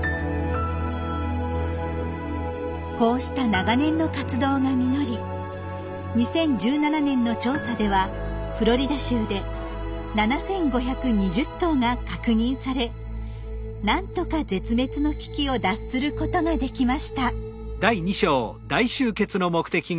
こうした長年の活動が実り２０１７年の調査ではフロリダ州で７，５２０頭が確認され何とか絶滅の危機を脱することができました。